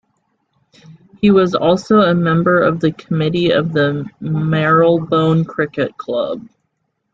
He was also a member of the Committee of the Marylebone Cricket Club.